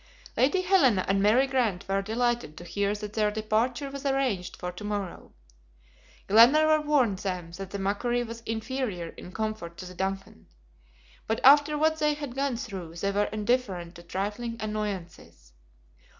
Lady Helena and Mary Grant were delighted to hear that their departure was arranged for to morrow. Glenarvan warned them that the MACQUARIE was inferior in comfort to the DUNCAN. But after what they had gone through, they were indifferent to trifling annoyances.